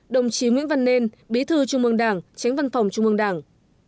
hai mươi đồng chí nguyễn văn nên bí thư trung mương đảng tránh văn phòng trung mương đảng